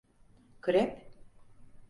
Krep?